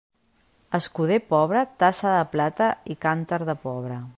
Escuder pobre, tassa de plata i cànter de pobre.